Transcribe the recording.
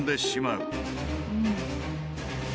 うん。